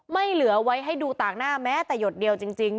เหลือไว้ให้ดูต่างหน้าแม้แต่หยดเดียวจริง